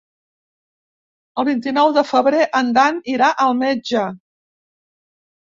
El vint-i-nou de febrer en Dan irà al metge.